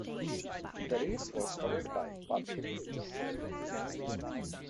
The race was covered by Pathe News.